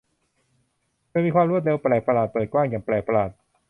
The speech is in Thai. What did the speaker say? เธอมีความรวดเร็วแปลกประหลาดเปิดกว้างอย่างแปลกประหลาด